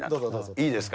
いいですか。